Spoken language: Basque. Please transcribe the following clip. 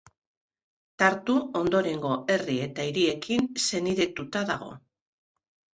Tartu ondorengo herri eta hiriekin senidetuta dago.